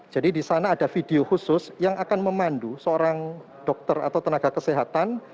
jadi di sana ada video khusus yang akan memandu seorang dokter atau tenaga kesehatan